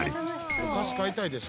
お菓子買いたいでしょ。